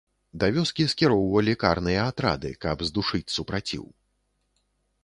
Да вёскі скіроўвалі карныя атрады, каб здушыць супраціў.